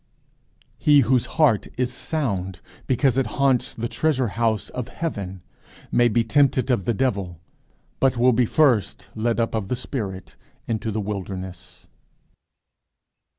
He whose heart is sound because it haunts the treasure house of heaven may be tempted of the devil, but will be first led up of the Spirit into the wilderness.